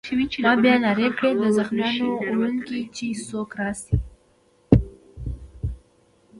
ما بیا نارې کړې: د زخمیانو وړونکی! چې څوک راشي.